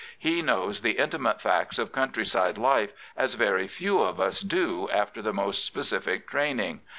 He knows the 48 George Meredith intimate facts of countryside life as very few of us do after the most specific training.